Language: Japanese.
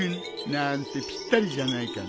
なーんてぴったりじゃないかな？